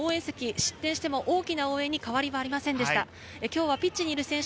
実践学園応援席、失点しても大きな応援に変わりはありませんでした。